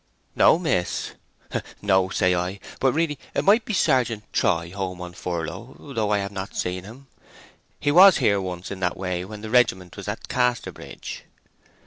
"No, miss.... No, I say; but really it might be Sergeant Troy home on furlough, though I have not seen him. He was here once in that way when the regiment was at Casterbridge."